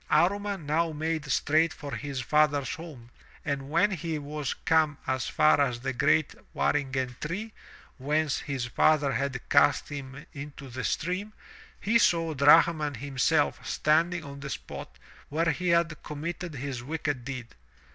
Amman now made straight for his father's home, and when he was come as far as the great waringen tree, whence his father had cast him into the stream, he saw Drahman himself standing on the spot where he had committed his wicked deed.